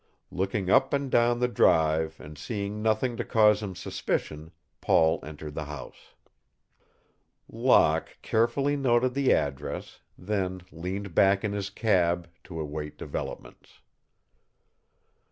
Looking up and down the Drive and seeing nothing to cause him suspicion, Paul entered the house. Locke carefully noted the address, then leaned back in his cab to await developments.